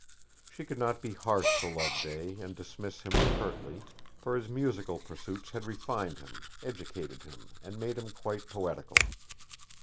She could not be harsh to Loveday and dismiss him curtly, for his musical pursuits had refined him, educated him, and made him quite poetical.